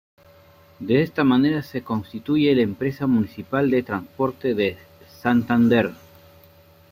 De esta manera se constituye la Empresa Municipal de Transporte de Santander.